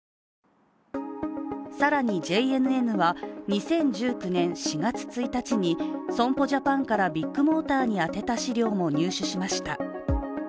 更にＪＮＮは、２０１９年４月１日に損保ジャパンからビッグモーターにあてた資料も入手しました。